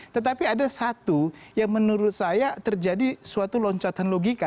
tetapi ada satu yang menurut saya terjadi suatu loncatan logika